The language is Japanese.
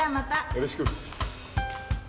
よろしく。